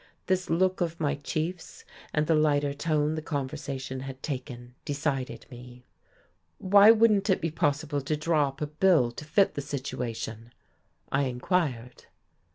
This look of my chief's, and the lighter tone the conversation had taken decided me. "Why wouldn't it be possible to draw up a bill to fit the situation?" I inquired. Mr.